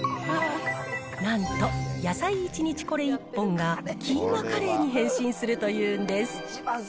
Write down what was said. なんと、野菜一日これ一本が、キーマカレーに変身するというんです。